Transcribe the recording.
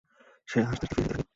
সে হাসতে হাসতে ফিরে যেতে থাকে।